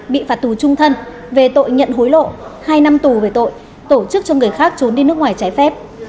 bị phạt tù trung thân về tội nhận hối lộ hai năm tù về tội tổ chức cho người khác trốn đi nước ngoài trái phép